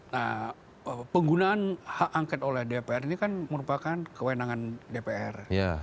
nah penggunaan hak angket oleh dpr ini kan merupakan kewenangan dpr